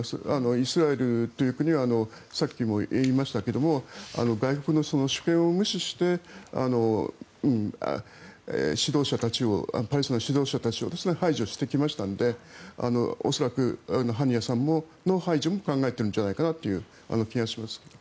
イスラエルという国はさっきも言いましたが外国の主権を無視してパレスチナの指導者たちを排除してきましたので恐らく、ハニヤさんの排除も考えているんじゃないかという気がします。